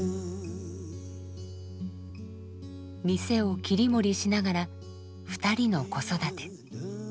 店を切り盛りしながら２人の子育て。